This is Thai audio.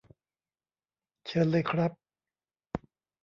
เชิญเลยครับ